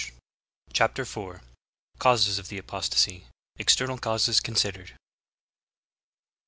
CHAPTER lY. CAUSES OF THE APOSTASY. EXTERNAL CAUSES CONSIDERED.